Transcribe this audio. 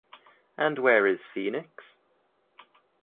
And where is Phoenix?